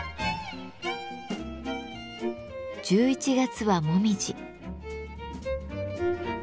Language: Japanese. １１月は紅葉。